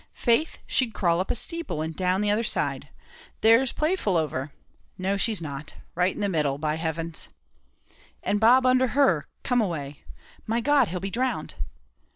Faith, she'd crawl up a steeple, and down the other side. There's Playful over no, she's not; right in the middle, by heavens!" "And Bob under her come away. My God, he'll be drowned!"